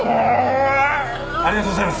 ありがとうございます。